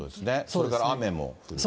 それから雨も降ると。